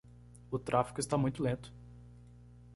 O tráfico está muito lento.